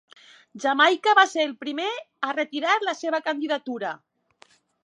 Jamaica va ser el primer a retirar la seva candidatura.